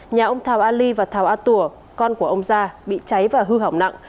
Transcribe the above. nhà ông thảo a ly và thảo a tùa con của ông gia bị cháy và hư hỏng nặng